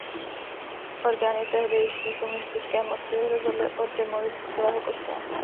Orgány tehdejší komunistické moci rozhodly o demolici celého kostela.